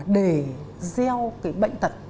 để gieo cái bệnh tật